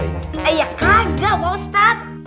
eh ya kagak pak ustadz